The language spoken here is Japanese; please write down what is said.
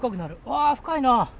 あ深いな！